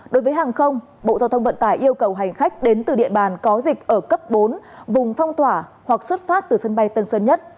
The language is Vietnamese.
đối với hàng không bộ giao thông vận tải yêu cầu hành khách đến từ địa bàn có dịch ở cấp bốn vùng phong tỏa hoặc xuất phát từ sân bay tân sơn nhất